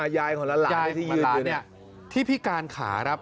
ยายของล้านหลานที่ยืนนะครับที่พิการขาครับ